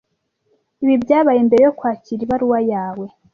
Ibi byabaye mbere yo kwakira ibaruwa yawe.